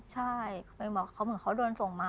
ใช่เหมือนเขาโดนส่งมา